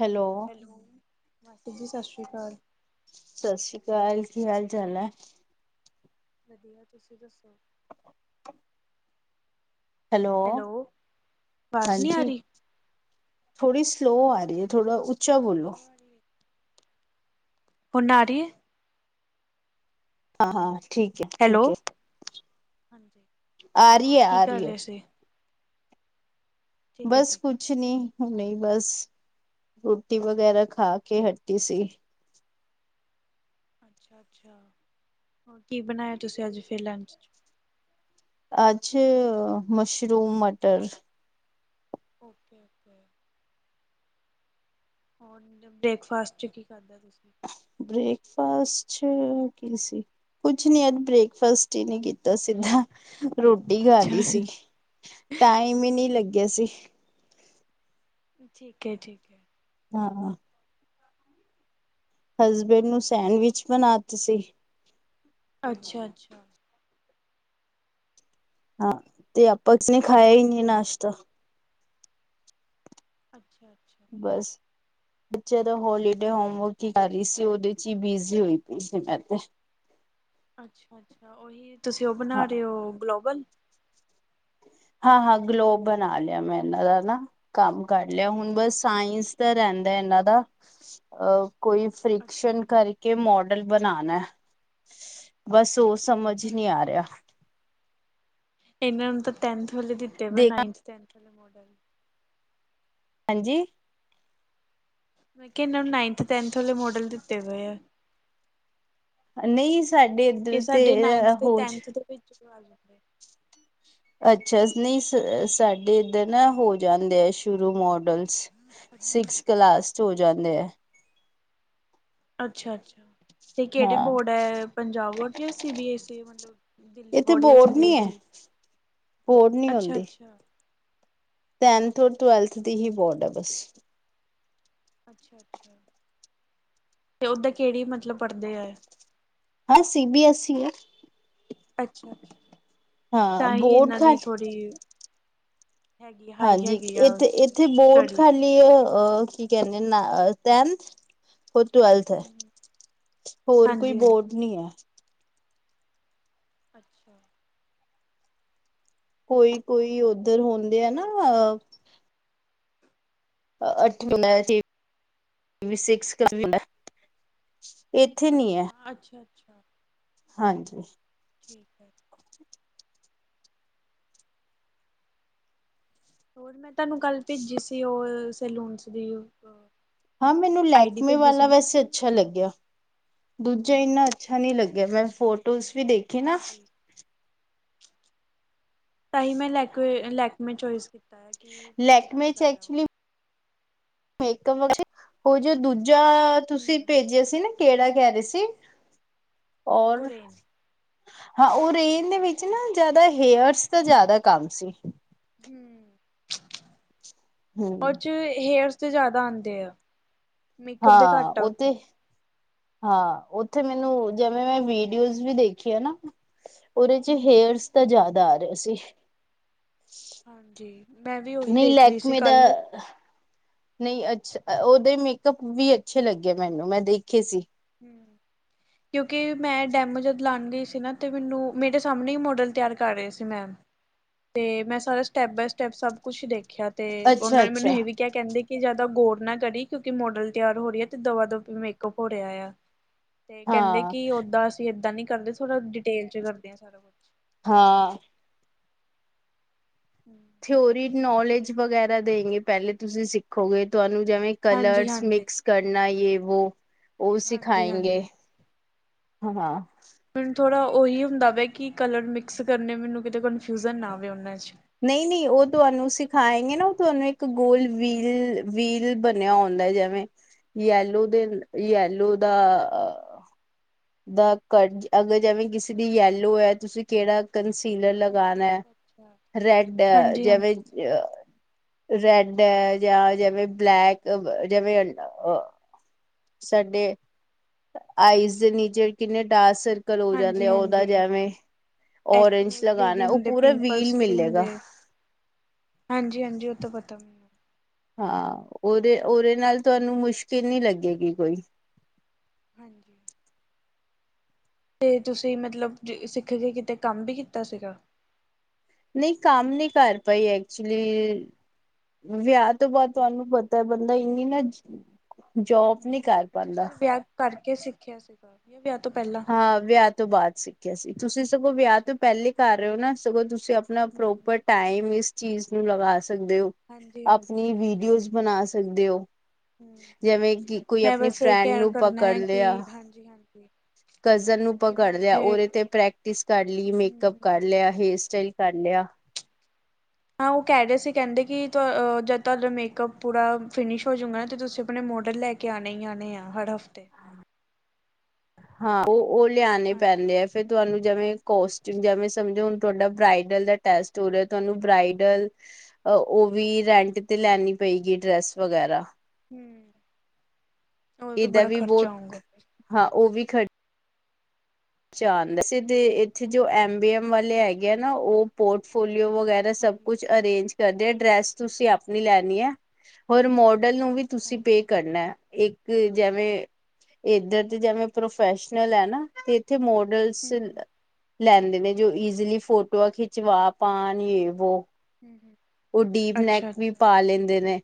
Hello. ਮਾਸੀ ਜੀ ਸਤਿ ਸ਼੍ਰੀ ਅਕਾਲ। ਸਸ ਸ੍ਰੀ ਕਾਲ ਕੀ ਹਾਲ ਚਾਲ ਹੈ। ਵਧੀਆ ਤੁਸੀਂ ਦੱਸੋ? ਹੈਲੋ, ਆਵਾਜ਼ ਨਹੀਂ ਆ ਹਾਂਜੀ। ਰਹੀ ਥੋੜੀ ਸਲੋ ਆ ਰਹੀ ਹੈ ਥੋੜਾ ਉੱਚਾ ਬੋਲੋ। ਹੁਣ ਆ ਰਹੀ ਏ। ਹਾਂ-ਹਾਂ ਠੀਕ ਐ ਹੈਲੋ। ਠੀਕ ਐ। ਹਾਂਜੀ। ਆ ਰੀ ਹੋਰ ਏ, ਕੀ ਆ ਕਰ ਰੀ ਏ। ਰਹੇ ਸੀ ਠੀਕ ਹੈ ਬਸ ਠੀਕ ਕੁ ਹੈ। ਛ ਨੀ ਹੁਣੇ ਹੀ ਬਸ ਰੋਟੀ ਵਗੈਰਾ ਖਾ ਕੇ ਹਟੀ ਸੀ। ਅੱਛਾ-ਅੱਛਾ ਹੋਰ ਕੀ ਬਣਾਇਆ ਤੁਸੀਂ ਅੱਜ ਫਿਰ ਲੰਚ ਚ। ਅੱਜ ਮਸ਼ਰੂਮ ਮਟਰ। ਓਕੇ-ਓਕੇ। ਹੋਰ ਬ੍ਰੇਕਫਾਸਟ ਚ ਕੀ ਖਾਧਾ ਤੁਸੀ? ਬ੍ਰੇਕਫਾਸਟ ਚ ਕੀ ਸੀ। ਕੁਛ ਨੀ ਅਜ ਬ੍ਰੇਕਫਾਸਟ ਹੀ ਨੀ ਕੀਤਾ ਸੀਗਾ। ਰੋਟੀ ਖਾ ਲੀ ਅੱਛਾ ਸੀ ਟਾਈਮ ਹੀ ਨੀ ਲੱਗਿਆ ਸੀ। ਠੀਕ ਹੈ-ਠੀਕ ਹੈ। ਹਾਂ ਹਸਬੈਂਡ ਨੂੰ ਸੈਂਡਵਿਚ ਬਣਾ ਤੇ ਸੀ। ਅੱਛਾ-ਅੱਛਾ ਹਾਂ ਤੇ ਆਪਾ ਕਿਸੇ ਨੇ ਖਾਇਆ ਹੀ ਨੀ ਨਾਸ਼ਤਾ। ਅੱਛਾ-ਅੱਛਾ ਬਸ। ਬੱਚਿਆਂ ਦਾ ਹੋਲੀਡੇ ਹੋਮਵਰਕ ਹੀ ਕਰ ਰਹੀ ਸੀ ਉਹਦੇ ਚ ਹੀ ਬਿਜ਼ੀ ਹੋਈ ਪਈ ਸੀ ਮੈਂ ਤੇ। ਅੱਛਾ-ਅੱਛਾ ਓਹੀ ਤੁਸੀ ਉਹ ਬਣਾ ਹਾਂ ਰਹੇ ਹੋ ਗਲੋਬਲ। ਹਾਂ-ਹਾਂ ਗਲੋਬ ਬਣਾ ਲਿਆ ਮੈਂ ਇਹਨਾ ਦਾ ਨਾ ਕੰਮ ਕਰ ਲਿਆ ਹੁਣ ਅੱਛਾ ਬਸ ਅੱਛਾ ਸਾਇੰਸ ਰਹਿੰਦਾ ਇਹਨਾ ਦਾ ਅਹ ਕੋਈ ਅੱਛਾ ਫਰਿਕਸ਼ਨ ਕਰ ਕੇ ਮੋਡਲ ਬਣਾਣਾ ਬਸ ਉਹ ਸਮਝ ਨੀ ਆ ਰਿਹਾ। ਇਹਨਾਂ ਨੂੰ ਤੇ ਟੈਨਥ ਵਾਲੇ ਦਿੱਤੇ ਬ ਦੇਖ ਨਾਇੰਥ ਟੈਨਥ ਵਾਲੇ ਮੋਡਲ। ਹਾਂਜੀ ਮੈਂ ਕਿਹਾ ਇਹਨਾਂ ਨੂੰ ਨਾਈਨਥ, ਟੈਨਥ ਵਾਲੇ ਮੋਡਲ ਦਿੱਤੇ ਗਏ ਆ। ਨਈ ਸਾਡੇ ਇਹ ਇੱਧਰ ਤੇ ਸਾਡੇ ਨਾਈਨਥ ਤੇ ਹੋ ਟੈਨਥ ਦੇ ਵਿੱਚ ਆ ਜਾਂਦੇ। ਅੱਛਾ ਨਈ ਸਾਡੇ ਇੱਧਰ ਨਾ ਹੋ ਜਾਂਦੇ ਆ ਸ਼ੁਰੂ ਮੋਡਲ। ਅੱਛਾ ਸਿਕਸ ਅੱਛਾ ਕਲਾਸ ਚ ਹੋ ਜਾਂਦੇ ਆ। ਅੱਛਾ-ਅੱਛਾ ਤੇ ਕਿਹੜੇ ਹਾਂ ਬੋਰਡ ਹੈ ਪੰਜਾਬ ਬੋਰਡ ਜਾ ਸੀ ਬੀ ਐੱਸ ਈ ਮਤਲਬ ਦਿੱਲੀ ਇੱਥੇ ਬੋੜਆ ਸੀ ਬੋਰਡ ਬੀ ਨੀ ਆਈ ਹੈ ਸੀ, ਬੋਰਡ ਨੀ ਹੁੰਦੀ ਅੱਛਾ-ਅੱਛਾ। ਟੈਨਥ ਔਰ ਟਵੈਲਥ ਦੀ ਹੀ ਬੋਰਡ ਆ ਬਸ। ਅੱਛਾ-ਅੱਛਾ ਤੇ ਉੱਦਾਂ ਕਿਹੜੀ ਮਤਲਬ ਪਰੜਦੇ ਹੈ ਇਹ? ਹਾਂ ਸੀ ਬੀ ਐੱਸ ਈ ਹੈ। ਅੱਛਾ-ਅੱਛਾ ਹਾਂ ਤਾਂ ਹੀ ਬੋਰਡ ਇਹਨਾ ਦੀ ਘੱਟ ਥੋੜ੍ਹੀ ਹੈਗੀ ਹਾਈ ਹੈਗੀ ਆ ਸਟਡੀ। ਨੀ ਅ ਕੀ ਕਹਿੰਦੇ ਨੇ ਟੈਨਥ। ਹੋਰ ਟਵੈਲਥ ਹੈ ਹਾਂਜੀ ਹੋਰ ਕੋਈ ਹਾਂਜੀ ਬੋਰਡ ਨੀ ਹੈ। ਅੱਛਾ ਕੋਈ-ਕੋਈ ਉੱਧਰ ਹੁੰਦੇ ਆ ਨਾ ਅਠ ਹੋਨਾ ਜੀ ਵੀ ਸਿਕਸ ਕ ਨਾ ਇੱਥੇ ਨੀ ਐ। ਅੱਛਾ ਅੱਛਾ ਅੱਛਾ ਹਾਂਜੀ ਠੀਕ ਹੈ। ਹੋਰ ਮੈਂ ਤੁਹਾਨੂੰ ਕੱਲ ਭੇਜੀ ਸੀ ਓ ਸੈਲੂਨ 'ਚ ਦੀ ਹਾਂ ਮੈਨੂੰ ਆਈ ਡੀ ਲੈਕਮੇ ਭੇਜੀ ਸੀ ਵਾਲਾ ਨਾ। ਵੈਸੇ ਅੱਛਾ ਲੱਗਿਆ। ਦੂਜਾ ਹੂੰ। ਇੰਨਾ ਅੱਛਾ ਨੀ ਲੱਗਿਆ ਮੈਂ ਫੋਟੋਜ਼ ਵੀ ਦੇਖ ਹਾਂਜੀ ਤਾਂ ਹੀ ਮੈਂ ਲੈਕੇ ਲੈਕਮੇ ਚੋਇਸ ਕੀਤੀ। ਤਾ ਹੈ ਕਿ ਠੀਕ ਹੈਗਾ ਆ ਓ ਮੇਕ ਵਿਚ ਓ ਜੋ ਦੂਜਾ ਤੁਸੀਂ ਹੂੰ ਭੇਜਿਆ ਸੀ ਨਾ ਕੇੜਾ ਕਹਿ ਰਏ ਸੀ ਔਰ ਓਰੇਨ ਹਾਂ ਓ ਰੇਨ ਦੇ ਵਿੱਚ ਨਾ ਜਾਦਾ ਹੇਅਰਸ ਦਾ ਜਾਦਾ ਕੰਮ ਸੀ। ਹੂੰ ਔਰ ਹਮ 'ਚ ਹੇਅਰਸ ਤੇ ਜਾਦਾ ਆਂਦੇ ਐ। ਹਾਂ ਓ ਤੇ ਹਾਂ ਉੱਥੇ ਮੈਨੂੰ ਜਿਵੇਂ ਮੈਂ ਵੀਡੀਓਜ਼ ਵੀ ਦੇਖਿਆ ਨਾ ਉਹਦੇ 'ਚ ਹੂੰ-ਹੂੰ। ਹੇਅਰਸ ਤਾਂ ਜਾਦਾ ਆ ਰਿਆ ਸੀ। ਹਾਂਜੀ ਮੈਂ ਵੀ ਉਹੀ ਨਈ ਦੇਖ ਰਹੀ ਸੀ ਲੈਕਮੇ ਦਾ ਕੱਲ। ਨਈ ਅੱਛ ਉਹਦੇ ਮੇਕਅਪ ਵੀ ਅੱਛੇ ਲੱਗੇ ਮੈਨੂੰ ਮੈਂ ਦੇਖੇ ਸੀ। ਹੂੰ ਕਿਉਂਕਿ ਮੈਂ ਡੈਮ ਜਦ ਲਉਣ ਗਈ ਸੀ ਨਾ ਤੇ ਮੈਨੂੰ ਮੇਰੇ ਸਾਹਮਣੇ ਹੀ ਮੋਡਲ ਤਿਆਰ ਕਰ ਰਏ ਸੀ ਮੈਮ ਤੇ ਮੈਂ ਸਾਰਾ ਸਟੈਪ ਬਾਏ ਸਟੈਪ ਸਭ ਕੁਛ ਦੇਖਿਆ ਤੇ ਅੱਛਾ ਉਹਨਾਂ ਨੇ ਮੈਨੂੰ ਅੱਛਾ ਇਹ ਵੀ ਕਿਆ ਕੈਂਦੇ ਕਿ ਜਾਦਾ ਗੋਰ ਨਾ ਕਰੀ ਕਿਉਂਕਿ ਮੋਡਲ ਤਿਆਰ ਹੋ ਰਈ ਹੈ ਤੇ ਦਵਾ ਦਵ ਮੇਕਅਪ ਹੋ ਰਿਆ ਆ। ਤੇ ਕੈਂਦੇ ਹਾਂ ਕਿ ਓਦਾਂ ਅਸੀਂ ਏਦਾਂ ਨੀ ਕਰਦੇ ਥੋੜ੍ਹਾ ਡਿਟੇਲ 'ਚ ਕਰਦੇ ਹਾਂ ਸਾਰਾ ਕੁਛ ਹਾਂ ਹੂੰ ਥਿਊਰੀ ਨੌਲੇਜ ਵਗੈਰਾ ਦੇਂਗੇ ਪੈਲੇ ਤੁਸੀਂ ਸਿੱਖੋਗੇ ਤੁਹਾਨੂੰ ਜਿਵੇਂ ਹਾਂਜੀ ਕਲਰਸ ਹਾਂਜੀ ਮਿਕਸ ਕਰਨਾ ਜੇ ਵੋ ਓ ਹਾਂਜੀ ਸਿਖਾਏਂਗੇ ਹਾਂਜੀ ਹਾਂ। ਮੈਨੂੰ ਥੋੜ੍ਹਾ ਉਹੀ ਹੁੰਦਾ ਵਾ ਕਿ ਕਲਰ ਮਿਕਸ ਕਰਨੇ ਮੈਨੂੰ ਕਿਤੇ ਕਨਫਿਊਜਨ ਨਾ ਆਵੇ ਉਹਨਾਂ 'ਚ ਨਈ-ਨਈ ਓ ਤੁਹਾਨੂੰ ਸਿਖਾਏਗੇ ਨਾ ਓ ਤੁਹਾਨੂੰ ਇੱਕ ਗੋਲ ਵੀਲ-ਵੀਲ ਬ ਬਨਿਆ ਹੁੰਦਾ ਜਿਵੇਂ ਯੈਲੋ ਦੇ ਯੈਲੂ ਦਾ ਦਾ ਕ ਅਗਰ ਜਿਵੇਂ ਕਿਸੇ ਦੀ ਯੈਲੋ ਹੈ ਤੁਸੀਂ ਕੇੜਾ ਕੰਸੀਲਰ ਅੱਛਾ ਲਗਾਨਾ ਅੱਛਾ ਅੱਛਾ ਰੈਡ ਹਾਂਜੀ ਜਿਵੇਂ ਹਾਂਜੀ ਅ ਰੈਡ ਹੈ ਜਾਂ ਜਿਵੇਂ ਬਲੈਕ ਜਿਵੇਂ ਅ ਸਾਡੇ ਆਈਸ ਦੇ ਨੀਚੇ ਕਿੰਨੇ ਡਾਰਕ ਸ ਕਲ ਹੋ ਜਾਂਦੇ ਹਾਂਜੀ ਆ ਉਹਦਾ ਹਾਂਜੀ ਜਿਵੇਂ ਔਰਂਜ ਐਕਨੇਸ ਲਈ ਲਗਾਨਾ ਵੀ ਓ ਹੁੰਦੇ ਪੂਰਾ ਵੀਲ ਪਿੰਪਲਸ ਮਿਲੇਗਾ। ਹਾਂਜੀ-ਹਾਂਜੀ ਓ ਤਾ ਪਤਾ ਹਾਂ ਉਹਦੇ-ਉਹਦੇ ਨਾਲ ਤੁਹਾਨੂੰ ਮੁਸ਼ਕਿਲ ਨਈ ਲੱਗੇਗੀ ਕੋਈ ਹਾਂਜੀ ਤੇ ਤੁਸੀਂ ਮਤਲਬ ਸਿੱਖ ਕੇ ਕਿਤੇ ਕੰਮ ਵੀ ਕੀਤਾ ਸੀਗਾ। ਨਈ ਕੰਮ ਨਈ ਕਰ ਭਾਈ ਐਕਚੁਲੀ ਵਿਆਹ ਤੋਂ ਬਾਅਦ ਤੁਹਾਨੂੰ ਪਤਾ ਬੰਦਾ ਇੰਨੀ ਨਾ ਜੋਬ ਨੀ ਹੂੰ, ਕਰ ਅੱਛਾ ਪਾਉਂਦਾ ਤੁਸੀਂ ਵਿਆਹ ਕਰਕੇ ਸਿੱਖਿਆ ਸੀਗਾ ਇਹ ਵੀ ਵਿਆਹ ਤੋਂ ਪਹਿਲਾਂ ਹਾਂ ਵਿਆਹ ਤੋਂ ਬਾਅਦ ਸਿੱਖਿਆ ਸੀ ਤੁਸੀਂ ਸਗੋਂ ਵਿਆਹ ਤੋਂ ਅੱਛਾ-ਅੱਛਾ, ਪਹਿਲੇ ਕਰ ਰਹੇ ਹੋ ਨਾ ਸਗੋਂ ਤੁਸੀਂ ਅਪ ਆਪਣਾ ਹੂੰ-ਹੂੰ, ਪ੍ਰੋਪਰ ਟਾਈਮ ਇਸ ਚੀਜ਼ ਨੂੰ ਲਗਾ ਸਕਦੇ ਹੋ ਹਾਂਜੀ-ਹਾਂਜੀ, ਆਪਣੀ ਵੀਡੀਓਜ਼ ਬਣਾ ਸਕ ਸਕਦੇ ਓ ਹੂੰਮ ਹੂੰਮ ਮੈਂ ਬਸ ਇਹੀ ਫਰੈਂਡ ਕਹਿਣ ਨੂੰ ਕਰਨਾ ਪਕੜ ਹੈ ਲਿਆ ਕਿ ਹਾਂਜੀ ਹਾਂਜੀ ਕਜ਼ਨ ਨੂੰ ਪਕੜ ਲਿਆ ਉਹਦੇ ਤੇ ਪ੍ਰੈਕਟਿਸ ਕਰ ਲਈ ਮੇਕਅਪ ਕਰ ਹੂੰ-ਹੂੰ। ਲਿਆ ਹੇਅਰ ਸਟਾਈਲ ਕਰ ਲਿਆ ਹਾਂ ਉਹ ਕਹਿ ਰਹੇ ਸੀ ਕਹਿੰਦੇ ਕਿ ਜਦ ਤੁਹਾਡਾ ਮੇਕਅੱਪ ਪੂਰਾ ਫਿਨਿਸ਼ ਹੋਜੂਗਾ ਨਾ ਤੇ ਤੁਸੀਂ ਆਪਣੇ ਮੋਡਲ ਲੈ ਕੇ ਕੇ ਆਉਣੇ ਹੀ ਆਉਣੇ ਆ ਹਰ ਹਫ਼ਤੇ ਹਾਂ ਉਹ ਉਹ ਲਿਆਣੇ ਹਾਂਜੀ, ਪੈਂਦੇ ਫਿਰ ਤੁਹਾਨੂੰ ਜਿਵੇਂ ਕੋਸਟ ਜਿਵੇਂ ਸਮਝੋ ਤੁਹਾਡਾ ਬ੍ਰਾਈਡਲ ਦਾ ਟੈਸਟ ਹੋ ਰਿਹਾ ਤੁਹਾਨੂੰ ਬ੍ਰਾਈਡਲ ਉਹ ਉਹ ਵੀ ਰੈਂਟ ਤੇ ਲੈਣੀ ਪਏਗੀ ਡਰੈਸ ਵਗੈਰਾ ਹਮ ਉਹ ਤਾਂ ਇਹਦਾ ਬੜਾ ਵੀ ਖ਼ਰਚਾ ਬਹੁਤ ਆਊਗਾ ਫਿਰ ਹਾਂ ਉਹ ਵੀ ਖੜ ਚਾਂ ਆਉਂਦਾ ਸੀ ਇੱਥੇ ਜੋ ਐਮ ਬੀ ਐਮ ਵਾਲੇ ਹੈਗੇ ਆ ਨਾ ਉਹ ਪੋਰਟਫੋਲੀਓ ਵਗੈਰਾ ਤੇ ਸਭ ਕੁਛ ਅਰੇਂਜ ਕਰਦੇ ਆ ਡਰੈਸ ਤੁਸੀਂ ਆਪਣੀ ਲੈਣੀ ਐ ਹੋਰ ਮੋਡਲ ਨੂੰ ਵੀ ਤੁਸੀ ਪੇ ਹਾਂਜੀ-ਹਾਂਜੀ, ਕਰਨਾ ਇੱਕ ਇਕ ਜਿਵੇਂ ਇਧਰ ਤੇ ਜਿਵੇਂ ਪ੍ਰੋਫੈਸ਼ਨਲ ਹੈ ਨਾ ਤੇ ਇੱਥੇ ਮੋਡਲ ਸਿਲ ਹੂੰ-ਹੂੰ, ਲੈਂਦੇ ਨੇ ਜੋ ਈਜ਼ਲੀ ਫੋਟੋਆਂ ਖਿਚਵਾ ਪਾਉਣ ਜੇ ਵੋ ਹਮ ਹਮ ਉਹ ਡੀਪ ਨੈਕ ਵੀ ਪਾ ਲੈਂਦੇ ਨੇ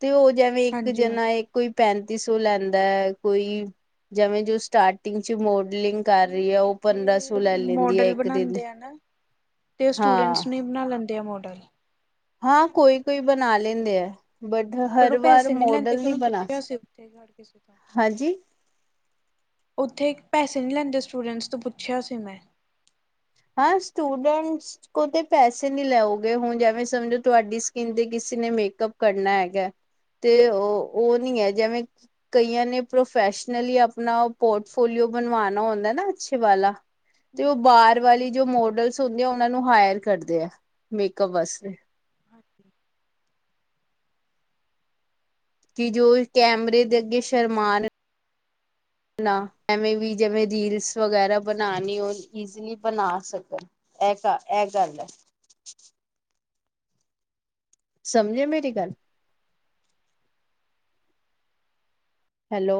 ਤੇ ਉਹ ਜਿਵੇਂ ਇੱਕ ਹਾਂਜੀ-ਹਾਂਜੀ। ਜਨਾ ਏ ਕੋਈ ਪੈਂਤੀ ਸੌ ਲੈਂਦਾ ਹੈ ਕੋਈ ਜਿਵੇਂ ਜੋ ਸਟਾਰਟਿੰਗ 'ਚ ਮੋਡਲਿੰਗ ਕਰ ਰਹੀ ਨਹੀਂ ਹੈ ਉਹ ਪੰਦਰਾਂ ਸੌ ਇੱਥੇ ਲੈ ਲੈਂਦੀ ਹੈ ਮੋਡਲ ਇੱਕ ਦਿਨ ਬਣਾਉਂਦੇ ਆ ਨਾ ਤੇ ਉਹ ਹਾਂ ਸਟੂਡੈਂਟਸ ਨੂੰ ਹੀ ਬਣਾ ਲੈਂਦੇ ਆ ਮੋਡਲ ਹਾਂ ਕੋਈ ਕੋਈ ਬਣਾ ਲੈਂਦੇ ਐ ਪਰੜ੍ਹ ਉਹ ਪੈਸੇ ਨਹੀਂ ਲੈਂਦੇ ਕਿਉ ਮੈਂ ਬਣਾ ਪੁੱਛਿਆ ਸੀ ਉੱਥੇ ਕਿਸੇ ਤੋਂ ਹਾਂਜੀ ਉੱਥੇ ਇਕ ਪੈਸੇ ਨਹੀਂ ਲੈਂਦੇ ਸਟੂਡੈਂਟਸ ਤੋਂ ਪੁੱਛਿਆ ਸੀ ਮੈਂ ਹਰ ਸਟੂਡੈਂਟਸ ਕਦੇ ਪੈਸੇ ਨੀ ਲਓਗੇ ਹੁਣ ਜਿਵੇਂ ਸਮਝੋ ਤੁਹਾਡੀ ਸਕਿਨ ਤੇ ਕਿਸੇ ਨੇ ਮੇਕਅਪ ਕਰਨਾ ਹੈਗਾ ਤੇ ਉਹ ਉਹ ਹਾਂਜੀ ਨੀ ਹਾਂਜੀ ਜਿਵੇਂ ਕਈਆਂ ਨੇ ਪ੍ਰੋਫੈਸ਼ਨਲੀ ਆਪਣਾ ਪੋਰਟਫੋਲੀਓ ਬਣਵਾਣਾ ਹੁੰਦਾ ਨਾ ਅੱਛੇ ਵਾਲਾ ਤੇ ਹਮ ਉਹ ਹਮ ਬਾਹਰ ਹਾਂਜੀ ਹਾਂਜੀ ਵਾਲੀ ਜੋ ਮੋਡਲਸ ਹੁੰਦੇ ਉਹਨਾਂ ਨੂੰ ਹਾਇਰ ਕਰਦੇ ਆ ਮੇਕਅਪ ਵਾਸਤੇ ਹਾਂਜੀ ਕਿ ਜੋ ਕੈਮਰੇ ਦੇ ਅੱਗੇ ਸ਼ਰਮਾਨ ਨਾ ਐਵੇਂ ਵੀ ਜਿਵੇਂ ਹੂੰ ਦੀਲਸ ਵਗੈਰਾ ਬਣਾਣੀ ਉਹ ਈਜ਼ਲੀ ਬਣਾ ਸਕਣ ਐ ਇਹ ਗੱਲ ਹੈ ਸਮਝੇ ਮੇਰੀ ਗੱਲ ਹੈਲੋ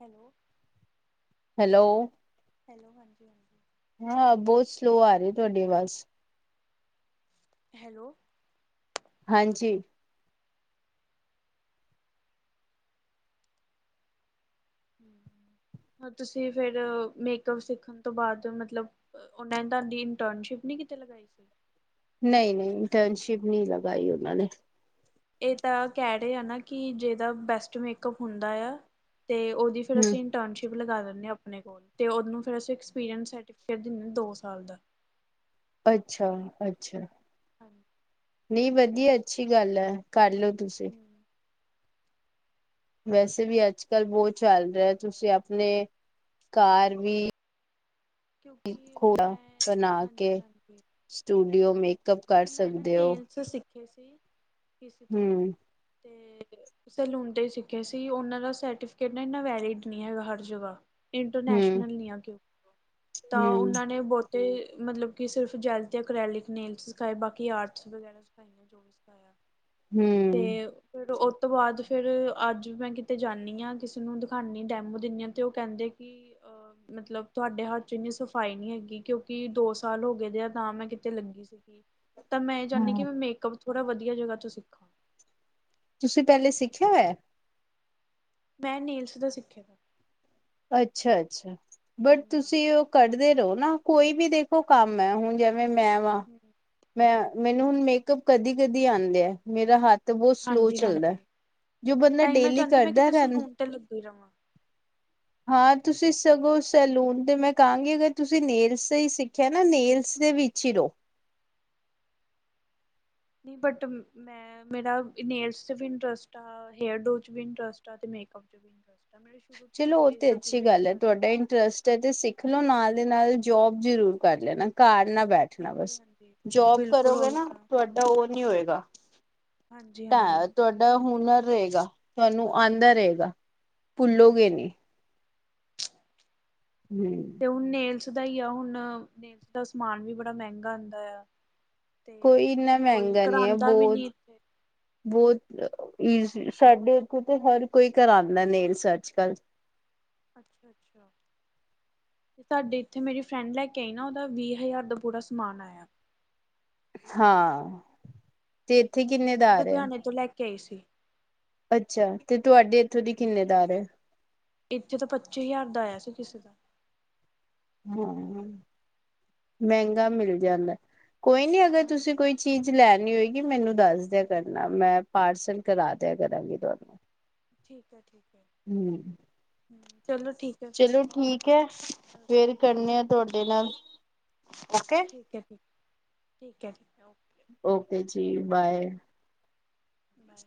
ਹੈਲੋ ਹੈਲੋ ਹੈਲੋ ਹਾਂਜੀ ਹਾਂਜੀ ਹਾਂ ਬਹੁਤ ਸਲੋਅ ਆ ਰਹੀ ਤੁਹਾਡੀ ਆਵਾਜ ਹੈਲੋ ਹਾਂਜੀ ਹ ਤੁਸੀਂ ਫਿਰ, ਮੇਕਅੱਪ ਸਿੱਖਣ ਤੋਂ ਬਾਅਦ ਮਤਲਬ ਉਹਨਾਂ ਨੇ ਤੁਹਾਡੀ ਇੰਟਰਨਸ਼ਿਪ ਨੀ ਕਿਤੇ ਲਗਾਈ ਸੀ। ਨਹੀਂ-ਨਹੀਂ ਇੰਟਰਨਸ਼ਿਪ ਨਹੀਂ ਲਗਾਈ ਉਹਨਾਂ ਨੇ ਇਹ ਤਾਂ ਕਹਿ ਰਹੇ ਆ ਨਾ ਕਿ, ਜਿਹਦਾ ਬੈਸਟ ਮੇਕਅਪ ਹੁੰਦਾ ਆ, ਤੇ ਉਹਦੀ ਫੇਿਰ ਹੂੰ ਅਸੀਂ ਇਟਰਨਸ਼ਿਪ ਲਗਾ ਦਿੰਦੇ ਆਪਣੇ ਕੋਲ ਤੇ, ਉਨੂੰ ਫਿਰ ਅਸਪਕੇਟ ਦਿੰਦੇ ਦੋ ਸਾਲ ਦਾ ਅੱਛਾ- ਅੱਛਾ ਹਾਂਜੀ। ਨਹੀਂ, ਵਧੀਆ ਅੱਛੀ ਗੱਲ ਹੈ, ਕਰ ਲਓ ਤੁਸੀਂ ਵੈਸੇ ਵੀ ਅੱਜ ਹਮ -ਕੱਲ੍ਹ ਬਹੁਤ ਚੱਲ ਰਿਹਾ, ਤੁਸੀਂ ਆਪਣੇ ਘਰ ਵੀ ਕਿਉਂਕਿ, ਖੋੜਾ ਮੈਂ ਬਣਾ ਕੇ ਹਾਂਜੀ ਹਾਂਜੀ ਸਟੂਡੀਓ, ਮੇਕਅੱਪ ਕਰ ਸਕਦੇ ਹੋ ਕੀ ਸੀ, ਕਿਸੀ ਤੋਂ ਹੂੰ ਤੇ ਸੈਲੂਨ ਤੇ ਹੀ ਸਿੱਖ਼ਿਆ ਸੀ। ਉਹਨਾਂ ਦਾ ਸਰਟੀਫਿਕੇਟ, ਨਾ ਇਨਾ ਵੈਲਿਡ ਨਹੀਂ, ਹੈਗਾ ਹਰ ਜਗ੍ਹਾ ਹੂੰ ਇੰਟਰਨੈਸ਼ਨਲ ਨ ਆ ਕਿਉਂ, ਤਾਂ ਹੂੰ ਉਹਨਾਂ ਨੇ ਨੇ ਬਹੁਤੇ ਮਤਲਬ ਕਿ ਸਿਰਫ, ਜੈਲ ਤੇ ਅਕ੍ਰੈਲਿਕ ਨੇੇਲਸ ਸਿਖਾਏ ਬਾਕੀ ਆਰਟਸ ਵਗੈਰਾ, ਸਿਖਾਈਆਂ ਜੋ ਵੀ ਸਿਖਾਇਆ ਹੂੰ ਤੇ ਫਿਰ ਉਹ ਤੋਂ ਬਾਅਦ ਫੇਰ ਅੱਜ ਮੈਂ ਕਿਤੇ ਜਾਂਦੀ ਹਾਂ ਕਿਸੇ ਨੂੰ ਦਿਖਾਦੀ, ਡੈਮੋ ਦਿੰਦੀ ਹਾਂ, ਤੇ ਉਹ ਕਹਿੰਦੇ ਕੀ ਅ ਮਤਲਬ ਤੁਹਾਡੇ ਹੱਥ ਚ, ਇੰਨੀ ਸਫ਼ਾਈ ਨਹੀਂੀ ਹੈਗੀ ਕਿਉਂਕਿ, ਦੋ ਸਾਲ ਹੋ ਗਏ ਦੇ ਆ ਤਾਂ ਮੈਂ ਕਿਤੇ ਲੱਗੀ ਸੀ ਤਾਂ ਮੈਂ ਇਹ ਚਾਹਦੀ ਕਿ ਹਾਂ ਮੈਂ ਮੇਕਅਪ, ਥੋੜਾ ਵਧੀਆ ਜਗ੍ਹਾ ਚੋਂ ਸਿੱਖਾਂ ਤੁਸੀਂ ਪਹਿਲੇ, ਸਿੱਖਿਆ ਹੋਇਆ? ਮੈਂ ਨੇਲਸ ਤੋਂ ਸਿੱਖਿਆ ਅੱਛਾ- ਅੱਛਾ ਬਟ ਹਾਂਜੀ ਤੁਸੀਂ ਉਹ ਕੱਢਦੇ ਰਹੋ ਨਾ, ਕੋਈ ਵੀ ਦੇਖੋ ਕੰਮ ਹੈ ਹੁਣ ਜ ਮੈਂ ਵਾਂ, ਹਮ, ਮੈਂ ਮੈਨੂੰ ਹੁਣ ਮੇਕਅਪ ਕਦੀ -ਕਦੀ ਆਦੇ ਆ ਮੇਰਾ ਹੱਥ ਤੇ ਬਹੁਤ ਸਲੋਅ ਹਾਂਜੀ ਚੱਲਦਾ, ਹਾਂਜੀ ਜੋ ਬੰਦਾ ਡੇਲੀ ਕਰਦਾ ਰਨ ਚੱਲੋ ਫਿਰ ਆਵਾਂਗੇ ਹਾਂ ਤੁਸੀਂ ਸਗੋਂ ਸੈਲੂਨ ਤੇ, ਮੈਂ ਕਹਾਂਗੀ ਅਗਰ ਤੁਸੀਂ ਨੇਲਸ ਹੀ ਸਿੱਖਿਆ ਨਾ ਨੇਲਸ ਉਸੇ ਵਿੱਚ ਹੀ ਰਹੋ ਨਹੀਂ ਬਟ ਮੈਂ, ਮੇਰਾ ਨੇਲਸ ਚ ਵੀ ਇੰਟਰਸਟ ਆ, ਹੇਅਰ ਡੋ ਚ ਵੀ ਇੰਟਰਸਟ ਆ, ਤੇ ਮੇਕਅਪ ਚ, ਵੀ ਇੰਟਰਸਟ ਆ ਮੈ ਸ਼ੁਰੂ ਚ ਇਹ ਸਭ ਚੀਜ਼ ਸ ਜਦੋ ਸਿੱਖ ਲੋ, ਨਾਲ ਦੇ ਨਾਲ ਜੋਬ ਜ਼ਰੂਰ ਹਾਂਜੀ ਕਰ ਹਾਂਜੀ ਲੈਣਾ, ਘਰ ਨਾ ਬੈਠਣਾ ਹਾਂਜੀ ਬਸ, ਹਾਂਜੀ ਜੋਬ ਬਿਲਕੁਲ ਕਰੋਗੇ ਉਹੀ ਨਾ ਤਾਂ ਤੁਹਾਡੇ ਉਹ ਨੀ ਹੋਏਗਾ ਹਾਂਜੀ ਹਾਂਜੀ ਤਾਂ ਤੁਹਾਡਾ ਹੁਨਰ ਰਹੇਗਾ ਤੁਹਾਨੂੰ, ਆਦਾ ਹਮ ਰਹੇਗਾ, ਭੁੱਲੋਗੀ ਹਾਂਜੀ ਨਈ ਹਮ ਤੇ ਹੁਣ ਨੇਲਸ ਦਾ ਹੀ ਆ, ਹੁਣ ਨੇਲਸ ਦਾ ਸਮਾਨ ਵੀ ਬੜਾ ਮਹਿੰਗਾ, ਆਉਂਦਾ ਆ ਤੇ ਕੋਈ ਇੰਨਾ ਕੋਈ ਮਹਿੰਗਾ ਨਈ, ਹੈ ਕਰਾਉਂਦਾ ਵੀ ਬਹੁਤ ਨੀ ਇੱਥੇ ਬਹੁਤ ਈਜ਼ ਸਾਡੇ ਕੋਲ ਤੇ ਹਰ ਕੋਈ ਕਰਾਉਂਦਾ ਨਹੀਂ ਰਿਸਰਜ ਅੱਜ -ਕੱਲ ਅੱਛਾ-ਅੱਛਾ ਤੇ ਸਾਡੇ, ਇੱਥੇ ਮੇਰੀ ਫਰੈਂਡ ਲੈ ਕੇ ਆਈ ਨਾ, ਉਹਦਾ ਵੀਹ ਹਜ਼ਾਰ ਦਾ, ਪੂਰਾ ਸਮਾਨ ਆਇਆ ਹਾਂ। ਤੇ, ਇੱਥੇ ਕਿੰਨੇ ਦਾ ਆ ਰਿਹਾ? ਲੁਧਿਆਣੇ ਤੋਂ, ਲੈ ਕੇ ਆਈ ਸੀ। ਅੱਛਾ, ਤੇ ਤੁਹਾਡੇ ਇੱਥੋਂ ਦੀ, ਕਿੰਨੇ ਦਾ ਆ ਰਿਹਾ ਇੱਥੇ ਤੇ ਪੱਚੀ ਹਜ਼ਾਰ ਦਾ ਆਇਆ ਸੀ ਕਿਸੇ ਦਾ। ਹਾਂ ਮੈਂਗਾ ਮਿਲ ਜਾਂਦਾ, ਕੋਈ ਨੀ ਅਗਰ ਤੁਸੀਂ ਹਾਂਜੀ ਕੋਈ ਚੀਜ਼ ਲੈਨੀ ਹੋਏਗੀ ਮੈਨੂੰ ਦੱਸ ਦੇਆ ਕਰਨਾ ਮੈਂ ਪਾਰਸਲ ਕਰਾ ਦੇਆ ਕਰਾਂਗੀ ਤੁਹਾਡਾ। ਠੀਕ ਐ, ਠੀਕ ਐ, ਹੂੰ ਹੂੰ ਚਲੋ ਠੀਕ ਹੈ ਫਿਰ ਚਲੋ ਠੀਕ ਐ ਫੇਰ ਓਕੇ ਕਰਨੇ ਆ ਤੁਹਾਡੇ ਨਾਲ ਓਕੇ। ਠੀਕ ਐ ਜੀ, ਠੀਕ ਐ, ਠੀਕ ਐ ਓਕੇ। ਓਕੇ ਜੀ ਬਾਏ। ਬਾਏ।